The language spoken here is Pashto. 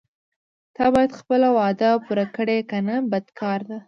ته باید خپله وعده پوره کړې کنه بد کار ده.